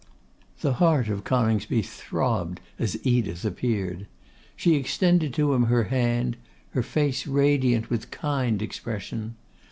The heart of Coningsby throbbed as Edith appeared. She extended to him her hand; her face radiant with kind expression.